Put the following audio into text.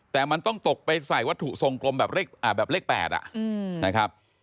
แต่มันต้องตกไปใส่วัตถุทรงกลมแบบเลข๘นะครับ